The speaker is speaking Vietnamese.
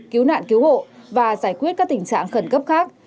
cứu nạn cứu hộ và giải quyết các tình trạng khẩn cấp khác